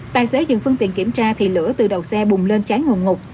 tài xế dựng phương tiện kiểm tra thì lửa từ đầu xe bùng lên cháy nguồn ngục